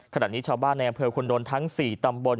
ขณะนี้ชาวบ้านในอำเภอคุณโดนทั้ง๔ตำบล